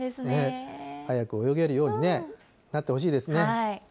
早く泳げるようにね、なってほしいですね。